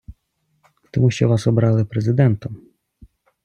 Тому що Вас обрали Президентом.